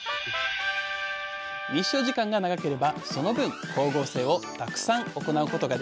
日照時間が長ければその分光合成をたくさん行うことができます。